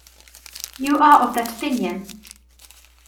You are of that opinion?